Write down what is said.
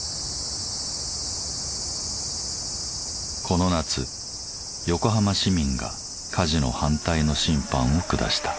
この夏横浜市民がカジノ反対の審判を下した。